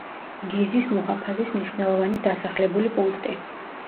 გიზის მუჰაფაზის მნიშვნელოვანი დასახლებული პუნქტი.